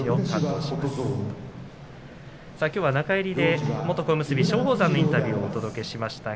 中入りで元小結松鳳山のインタビューをお届けしました。